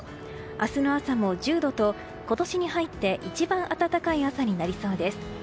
明日の朝も１０度と今年に入って一番暖かい朝になりそうです。